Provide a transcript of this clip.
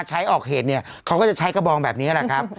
ใช้ออกเหตุเนี่ยเขาก็จะใช้กระบองแบบนี้แหละครับ